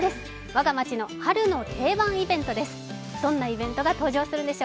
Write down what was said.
「わが町の春の定番イベント」です。